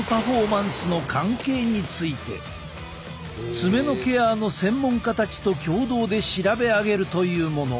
爪のケアの専門家たちと共同で調べ上げるというもの。